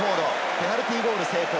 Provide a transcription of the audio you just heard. ペナルティーゴール成功。